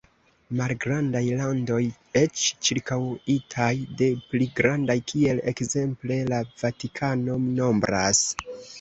Malgrandaj landoj, eĉ ĉirkaŭitaj de pli grandaj, kiel ekzemple la Vatikano, nombras.